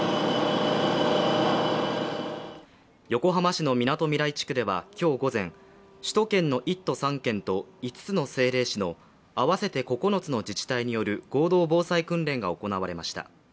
横浜市のみなとみらい地区では、今日午前、首都圏の１都３県と５つの政令市の合わせて９つの自治体による合同防災訓練が行われました。